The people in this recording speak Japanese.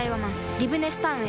リブネスタウンへ